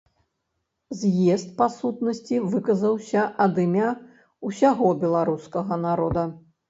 З'езд па сутнасці выказаўся ад імя ўсяго беларускага народа.